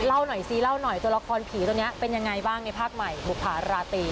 เล่าหน่อยซิเล่าหน่อยตัวละครผีตัวนี้เป็นยังไงบ้างในภาพใหม่บุภาราตี